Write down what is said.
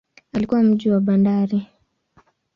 Ulikuwa mji wa bandari.